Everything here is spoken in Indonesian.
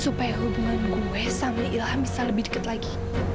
supaya hubungan gue sama ilham bisa lebih deket lagi